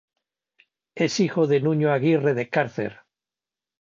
Es hijo de Nuño Aguirre de Cárcer.